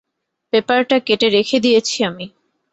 পেপারটা কেটে রেখে দিয়েছি আমি।